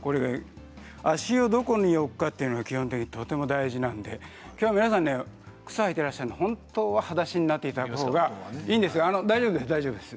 足をどこに置くかというのが基本的にとても大事なのできょう皆さん靴、履いてらっしゃるんですけれども本当ははだしになっていただいたほうがいいんですいいんです大丈夫です